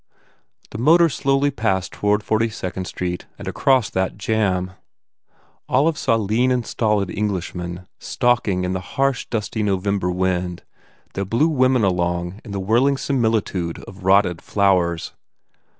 The motor slowly passed toward Forty Second Street and across that jam. Olive saw lean and stolid Englishmen stalking in the harsh, dusty November wind that blew women along in the whirling similitude of rotted flowers.